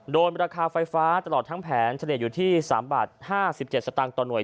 ราคาไฟฟ้าตลอดทั้งแผนเฉลี่ยอยู่ที่๓บาท๕๗สตางค์ต่อห่ว